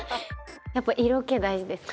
やっぱ色気大事ですか？